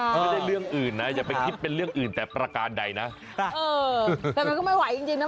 ไม่ได้เรื่องอื่นนะอย่าไปคิดเป็นเรื่องอื่นแต่ประการใดนะเออแต่มันก็ไม่ไหวจริงจริงนะ